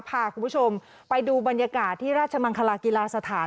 พาคุณผู้ชมไปดูบรรยากาศที่ราชมังคลากีฬาสถาน